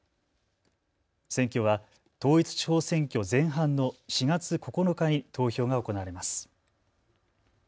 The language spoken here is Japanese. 選挙は統一地方選挙前半の４月９日に投票が行われます。